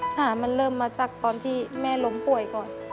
หามันเริ่มมาจากตอนที่แม่ล้มป่วยก่อน